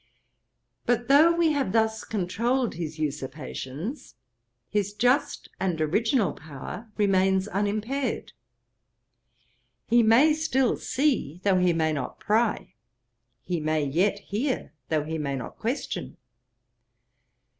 But though we have thus controlled his usurpations, his just and original power remains unimpaired. He may still see, though he may not pry: he may yet hear, though he may not question.